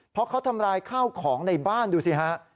เพราะเขาทำร้ายข้าวของในบ้านดูสิฮะ